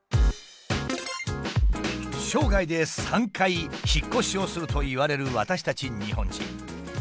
生涯で３回引っ越しをするといわれる私たち日本人。